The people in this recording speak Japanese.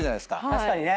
確かにね。